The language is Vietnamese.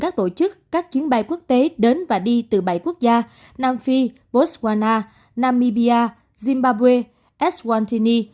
các tổ chức các chuyến bay quốc tế đến và đi từ bảy quốc gia nam phi botswana namibia zimbabwe eswaltini